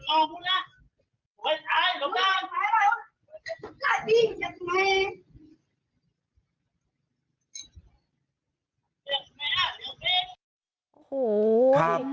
โอ้โหครับ